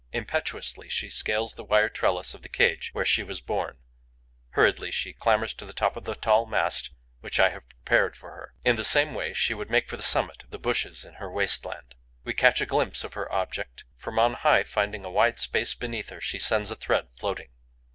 Impetuously she scales the wire trellis of the cage where she was born; hurriedly she clambers to the top of the tall mast which I have prepared for her. In the same way, she would make for the summit of the bushes in her waste land. We catch a glimpse of her object. From on high, finding a wide space beneath her, she sends a thread floating.